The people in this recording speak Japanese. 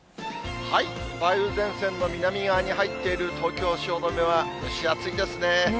梅雨前線の南側に入っている東京・汐留は、蒸し暑いですね。